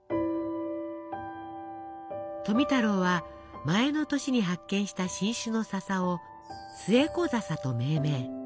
富太郎は前の年に発見した新種のささをスエコザサと命名。